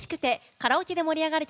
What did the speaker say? カラオケで盛り上がる